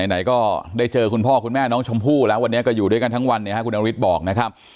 ไหนก็ได้เจอคุณพ่อคุณแม่น้องชมพู่แล้ววันนี้ก็อยู่ด้วยกันทั้งวันคุณอริสบอกนะครับ